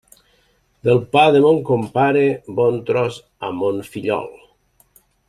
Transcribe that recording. Del pa de mon compare, bon tros a mon fillol.